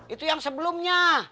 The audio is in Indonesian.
itu yang sebelumnya